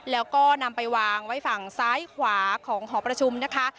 แล้วก็นำไปวางไว้ฝั่งซ้ายขวาของหอประชุมนะคะ